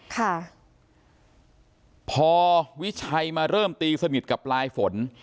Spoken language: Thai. ค่ะพอวิชัยมาเริ่มตีสนิทกับปลายฝน